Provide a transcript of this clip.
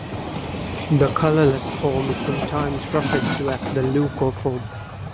The colorless form is sometimes referred to as the leuco form.